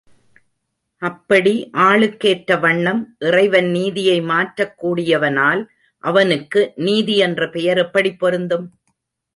அப்படி ஆளுக் கேற்ற வண்ணம் இறைவன் நீதியை மாற்றக் கூடியவனானால் அவனுக்கு, நீதி என்ற பெயர் எப்படிப் பொருந்தும்?